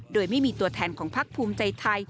โดยไม่มีตัวแทนของพักภูมิใจไทย